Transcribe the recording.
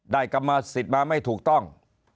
กรรมสิทธิ์มาไม่ถูกต้อง